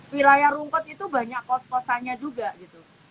wilayah rungkut itu banyak kos kosannya juga gitu